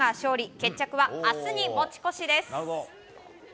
決着は明日に持ち越しです。